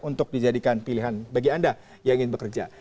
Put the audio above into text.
untuk dijadikan pilihan bagi anda yang ingin bekerja